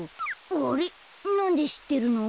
あれっなんでしってるの？